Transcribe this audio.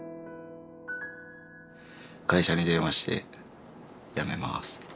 会社に電話して「辞めます」って。